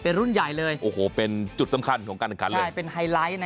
เป็นรุ่นใหญ่เลยโอ้โหเป็นจุดสำคัญของการแสนขัน